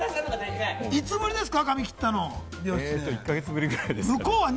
いつ振りですか？